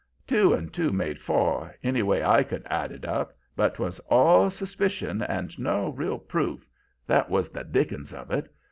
"Two and two made four, anyway I could add it up, but 'twas all suspicion and no real proof, that was the dickens of it.